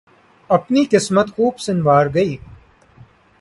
اپنی قسمت خوب سنوار گئے۔